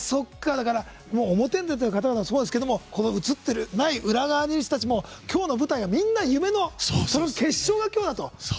表に出てる方々もそうですけど映ってない、裏側にいる方たちも今日の舞台は夢の決勝の舞台が今日だと。